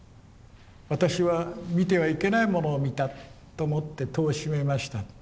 私は見てはいけないものを見たと思って戸を閉めました。